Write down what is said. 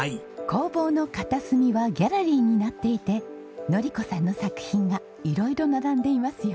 工房の片隅はギャラリーになっていてのり子さんの作品が色々並んでいますよ。